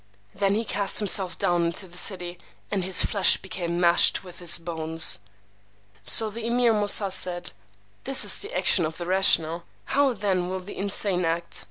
Then he cast himself down into the city, and his flesh became mashed with his bones. So the Emeer Moosà said, This is the action of the rational. How then will the insane act?